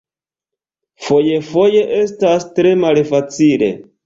Fojfoje estas tre malfacile.